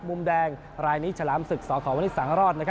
มุมแดงรายนี้ชาลามศึกสขวศร